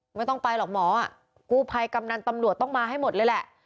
ไม่ต้องไปหรอกหมอกู้ภัยกำนันตำรวจต้องมาให้หมดเลยแหละ